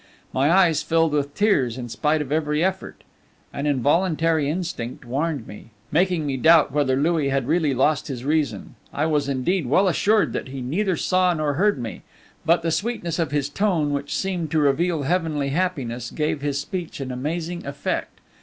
My eyes filled with tears in spite of every effort. An involuntary instinct warned me, making me doubt whether Louis had really lost his reason. I was indeed well assured that he neither saw nor heard me; but the sweetness of his tone, which seemed to reveal heavenly happiness, gave his speech an amazing effect.